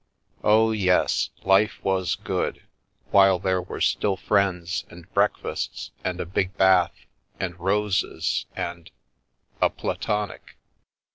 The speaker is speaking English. Oh, yes, life was good, while there were still friends, and breakfasts, and a big bath, and roses, and — a platonic.